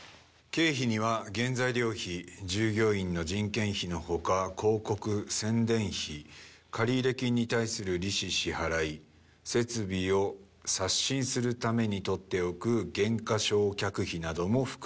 「経費には原材料費従業員の人件費の他広告・宣伝費借入金に対する利子支払い設備を刷新するために取っておく減価償却費なども含まれる」